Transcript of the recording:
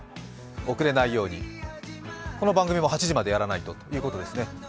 遅れないように、この番組も８時までやらないとということですよね。